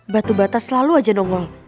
batu bata selalu aja nongong